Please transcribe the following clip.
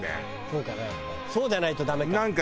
そうじゃないとダメか。